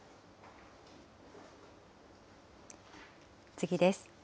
次です。